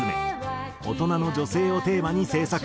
大人の女性をテーマに制作。